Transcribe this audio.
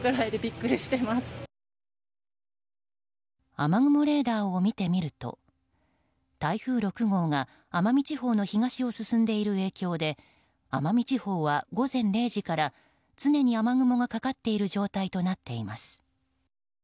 雨雲レーダーを見てみると台風６号が奄美地方の東を進んでいる影響で奄美地方は午前０時から常に雨雲がかかっている状態となっています。